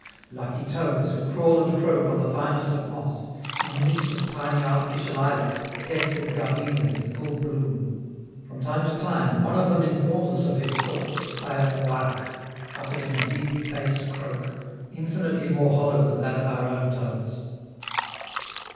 Lucky toads, who crawl and croak on the finest of moss, in the midst of tiny artificial islets decked with gardenias in full bloom. From time to time, one of them informs us of his thoughts by a 'Couac', uttered in a deep bass croak, infinitely more hollow than that of our own toads.